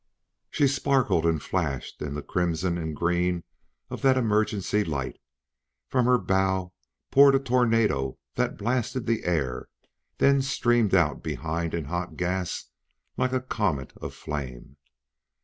She sparkled and flashed in the crimson and green of that emergency light, and from her bow poured a tornado that blasted the air, then streamed out behind in hot gas like a comet of flame.